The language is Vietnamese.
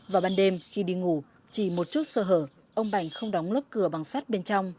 vào ban đêm khi đi ngủ chỉ một chút sơ hở ông bành không đóng lớp cửa bằng sắt bên trong